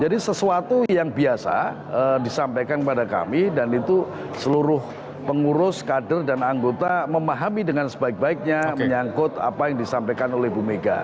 jadi sesuatu yang biasa disampaikan kepada kami dan itu seluruh pengurus kader dan anggota memahami dengan sebaik baiknya menyangkut apa yang disampaikan oleh bumega